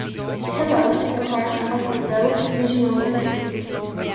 Tilos is part of the Rhodes regional unit.